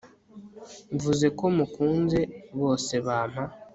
mvuze ko mukunze bose bampa